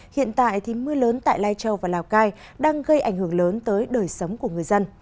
hiện tại thì mưa lớn tại lai châu và lào cai đang gây ảnh hưởng lớn tới đời sống của người dân